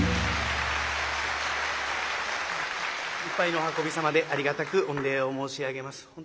いっぱいのお運びさまでありがたく御礼を申し上げます。